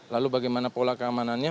lalu bagaimana pola keamanannya